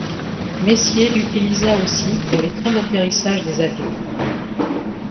Messier l'utilisa aussi pour les trains d'atterrissage des avions.